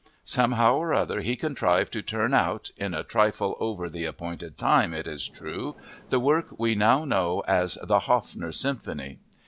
Somehow or other he contrived to turn out (in a trifle over the appointed time, it is true) the work we now know as the "Haffner" Symphony.